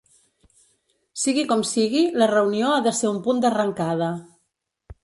Sigui com sigui, la reunió ha de ser un punt d’arrencada.